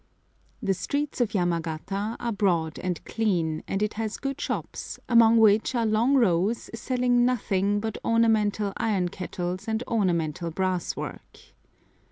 The streets of Yamagata are broad and clean, and it has good shops, among which are long rows selling nothing but ornamental iron kettles and ornamental brasswork.